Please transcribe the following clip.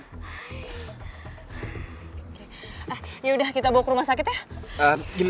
eh ya udah kita bawa ke rumah sakit ya